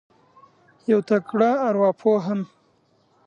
یو تکړه اروا پوه هم